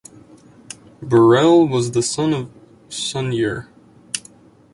Borrell was the son of Sunyer.